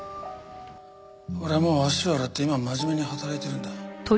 俺はもう足を洗って今は真面目に働いてるんだ。